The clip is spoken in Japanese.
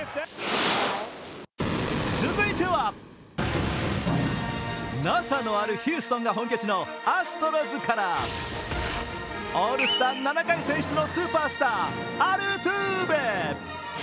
続いては、ＮＡＳＡのあるヒューストンが本拠地のアストロズからオールスター７回選出のスーパースター、アルトゥーベ。